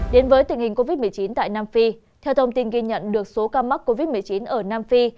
đến với tình hình covid một mươi chín tại nam phi theo thông tin ghi nhận được số ca mắc covid một mươi chín ở nam phi